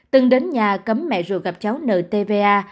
từng đến nhà cấm mẹ ruột gặp cháu nợ tva